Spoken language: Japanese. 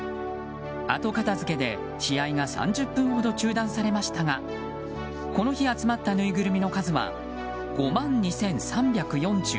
後片付けで試合が３０分ほど中断されましたがこの日集まったぬいぐるみの数は５万２３４１。